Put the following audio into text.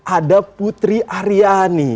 ada putri aryani